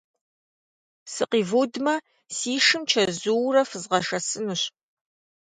Сыкъивудмэ, си шым чэзуурэ фызгъэшэсынущ.